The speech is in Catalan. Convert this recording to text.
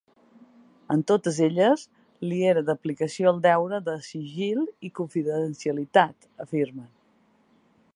En totes elles li era d’aplicació el deure de sigil i confidencialitat, afirmen.